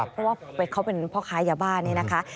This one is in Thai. เพราะว่าเขาเป็นพ่อค้ายาบ้านี่นะคะ